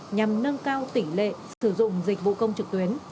nhằm nâng cao tỷ lệ sử dụng dịch vụ công trực tuyến